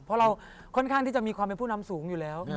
เพราะเราค่อนข้างที่จะมีความเป็นผู้นำสูงอยู่แล้ว